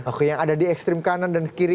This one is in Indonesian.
oke yang ada di ekstrim kanan dan kiri